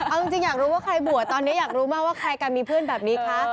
เอาจริงอยากรู้ว่าใครบวชตอนนี้อยากรู้มากว่าใครกันมีเพื่อนแบบนี้คะ